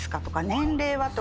年齢は？